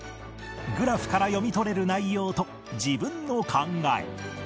グラフから読み取れる内容と自分の考え